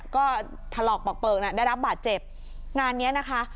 ก็ถลอกปอกเปลือกน่ะได้รับบาดเจ็บงานเนี้ยนะคะ